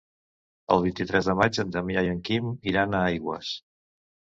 El vint-i-tres de maig en Damià i en Quim iran a Aigües.